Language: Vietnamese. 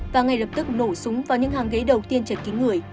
và ngay lập tức nổ súng vào những hàng ghế đầu tiên chật kín người